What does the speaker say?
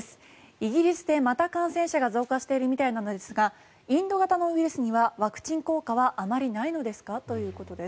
イギリスでまた感染者が増加しているみたいなのですがインド型のウイルスにはワクチン効果はあまりないのですか？ということです。